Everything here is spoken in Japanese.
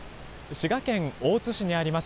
滋賀県大津市にあります